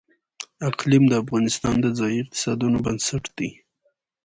اقلیم د افغانستان د ځایي اقتصادونو بنسټ دی.